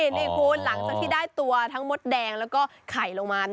นี่คุณหลังจากที่ได้ตัวทั้งมดแดงแล้วก็ไข่ลงมา